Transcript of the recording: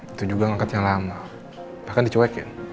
itu juga ngangkatnya lama bahkan dicuekin